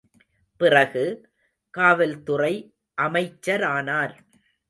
பிறகு, காவல்துறை அமைச்சரானார்.